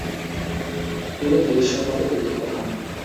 তিনি নিরীশ্বরবাদে দীক্ষিত হন।